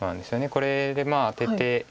これでアテて。